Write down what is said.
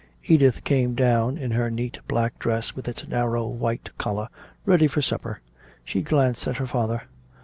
Edith came down, in her neat black dress with its narrow white collar, ready for supper. She glanced at her father.